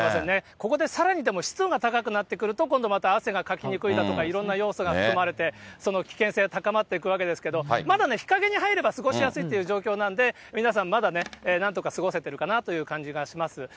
ここでさらに湿度が高くなってくると、今度また汗がかきにくいだとか、いろんな要素が含まれて、その危険性は高まっていくわけですけれども、まだね、日陰に入れば過ごしやすいという状況なんで、皆さん、まだね、なんとか過ごせているかなという感じがします。